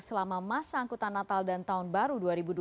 selama masa angkutan natal dan tahun baru dua ribu dua puluh